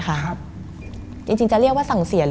มันกลายเป็นรูปของคนที่กำลังขโมยคิ้วแล้วก็ร้องไห้อยู่